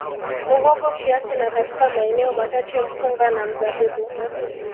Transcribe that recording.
Muhogo kiasi na katika maeneo machache mpunga na mzabibu